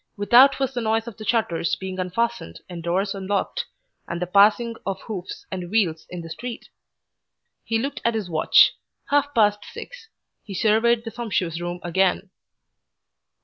Without was the noise of shutters being unfastened and doors unlocked, and the passing of hoofs and wheels in the street. He looked at his watch. Half past six. He surveyed the sumptuous room again.